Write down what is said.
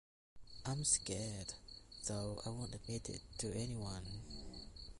I'm scared, though I won't admit it to anyone.